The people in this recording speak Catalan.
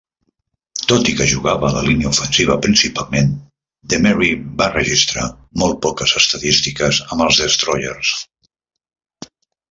Tot i que jugava a la línia ofensiva principalment, DeMary va registrar molt poques estadístiques amb els Destroyers.